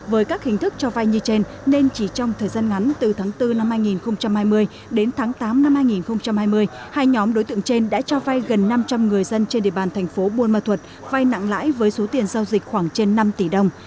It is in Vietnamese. với các hình thức cho vay như trên nên chỉ trong thời gian ngắn từ tháng bốn năm hai nghìn hai mươi đến tháng tám năm hai nghìn hai mươi hai nhóm đối tượng trên đã cho vay gần năm trăm linh người dân trên địa bàn thành phố buôn ma thuật vay nặng lãi với số tiền giao dịch khoảng trên năm tỷ đồng